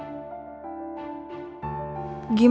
mereka gak akan bisa nangkep gue